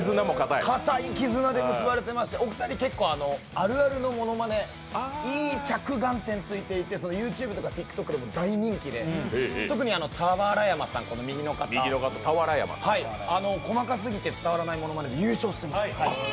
固い絆で結ばれてまして、お二人、あるあるのものまね、いい着眼点をついていてＹｏｕＴｕｂｅとかＴｉｋＴｏｋでも大人気で特に右の俵山さん、細かすぎて伝わらないものまね優勝しています。